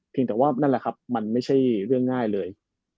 แต่ว่านั่นแหละครับมันไม่ใช่เรื่องง่ายเลย